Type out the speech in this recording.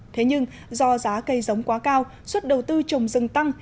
thế nhưng do giá cây giống quá cao suất đầu tư trồng rừng tăng